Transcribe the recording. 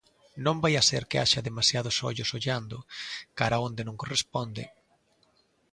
Non vaia ser que haxa demasiados ollos ollando cara a onde non corresponde.